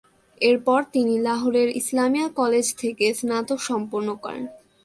এরপর তিনি লাহোরের ইসলামিয়া কলেজ থেকে স্নাতক সম্পন্ন করেন।